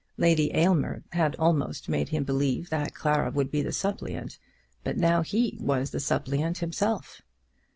Lady Aylmer had almost made him believe that Clara would be the suppliant, but now he was the suppliant himself.